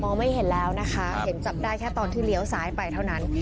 ไม่เห็นแล้วนะคะเห็นจับได้แค่ตอนที่เลี้ยวซ้ายไปเท่านั้น